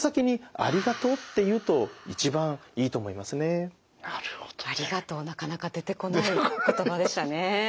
「ありがとう」なかなか出てこない言葉でしたね。